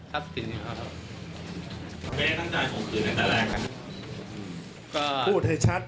พอดีเขาเสียชีวิตก่อน